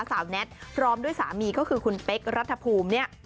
แน็ตพร้อมด้วยสามีก็คือคุณเป๊กรัฐภูมิเนี่ย